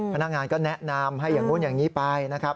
พนักงานก็แนะนำให้อย่างนู้นอย่างนี้ไปนะครับ